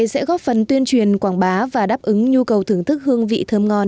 học động này sẽ góp phần tuyên truyền quảng bá và đáp ứng nhu cầu thưởng thức hương vị thơm ngon